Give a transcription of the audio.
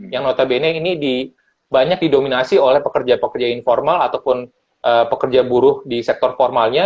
yang notabene ini banyak didominasi oleh pekerja pekerja informal ataupun pekerja buruh di sektor formalnya